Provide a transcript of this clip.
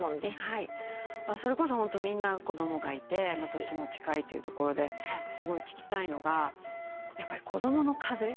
それこそみんな子供がいて年も近いというところですごい聞きたいのがやっぱり子供の風邪。